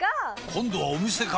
今度はお店か！